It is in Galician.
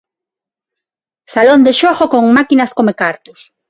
Salón de xogo con máquinas comecartos.